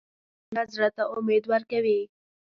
غږونه زړه ته امید ورکوي